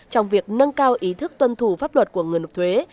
trong việc nâng cao ý thức tuân thủ pháp luật của người nộp thuế